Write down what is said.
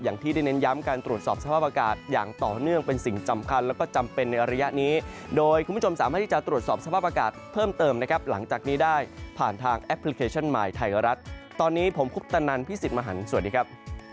อย่างที่ได้เน้นย้ำการตรวจสอบสภาพอากาศอย่างต่อเนื่องเป็นสิ่งสำคัญแล้วก็จำเป็นในระยะนี้โดยคุณผู้ชมสามารถที่จะตรวจสอบสภาพอากาศเพิ่มเติมนะครับหลังจากนี้ได้ผ่านทางแอปพลิเคชันใหม่ไทยรัฐตอนนี้ผมคุปตนันพี่สิทธิ์มหันฯสวัสดีครับ